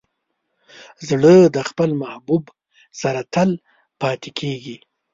زړه د خپل محبوب سره تل پاتې کېږي.